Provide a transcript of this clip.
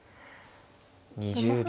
２０秒。